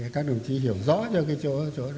các đồng chí hiểu rõ cho cái chỗ